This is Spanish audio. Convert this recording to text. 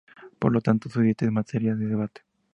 Por lo tanto, su dieta es materia de debate.